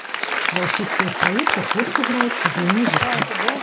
Ва ўсіх сваіх праектах хлопцы граюць чужую музыку.